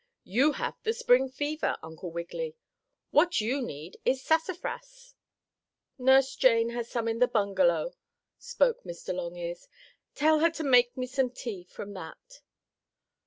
You have the Spring fever, Uncle Wiggily. What you need is sassafras." "Nurse Jane has some in the bungalow," spoke Mr. Longears. "Tell her to make me some tea from that."